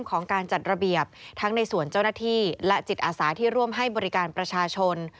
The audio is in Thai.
ของการจัดระเบียบทั้งในส่วนเจ้าหน้าที่และจิตอาสาที่ร่วมให้บริการประชาชน